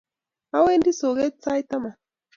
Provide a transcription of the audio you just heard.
Awendi soget sait taman